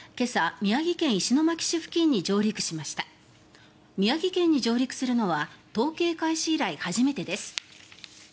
宮城県に上陸するのは統計開始以来初めてです。